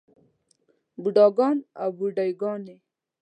بوډاګان او بوډے ګانے